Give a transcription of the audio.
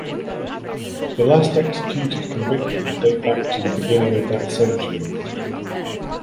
The last executed convictions date back to the beginning of that century.